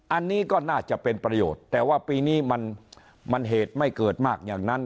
อันนี้ก็น่าจะเป็นประโยชน์แต่ว่าปีนี้มันเหตุไม่เกิดมากอย่างนั้น